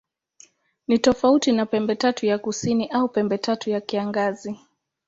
Ni tofauti na Pembetatu ya Kusini au Pembetatu ya Kiangazi.